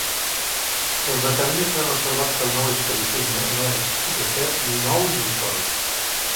Els acadèmics han observat que el Nou Historicisme no és, de fet, ni nou ni històric.